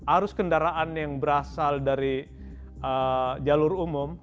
arus kendaraan yang berasal dari jalur umum